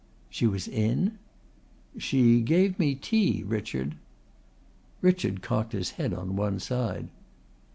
"She was in?" "She gave me tea, Richard." Richard cocked his head on one side.